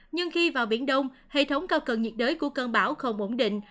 nhưng khi vào biển đông hệ thống cao cần nhiệt đới của cơn bão không ổn định